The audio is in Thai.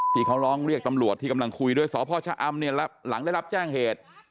ที่เขาร้องเรียกตำรวจที่กำลังคุยด้วยสพชะอำเนี่ยหลังได้รับแจ้งเหตุ